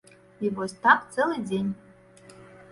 І вось так цэлы дзень.